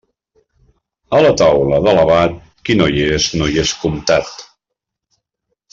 A la taula de l'abat, qui no hi és no hi és comptat.